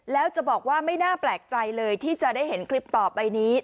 แล้วจะบอกว่าไม่น่าแปลกใจเลยที่จะได้เห็นคลิปต่อไปนี้